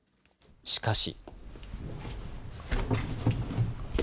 しかし。